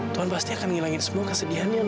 tuhan pasti akan ngilangin semua kesedihannya